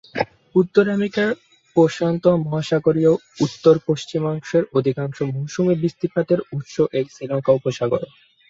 উত্তর আমেরিকার প্রশান্ত মহাসাগরীয় উত্তর-পশ্চিমাঞ্চলের অধিকাংশ মৌসুমী বৃষ্টিপাতের উৎস এই আলাস্কা উপসাগর।